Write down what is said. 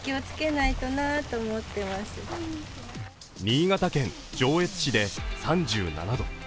新潟県上越市で３７度。